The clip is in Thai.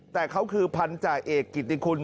แต่เขาคือพันธาเอกกิติคุณ